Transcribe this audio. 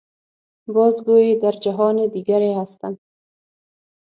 باز گوئی در جهان دیگری هستم.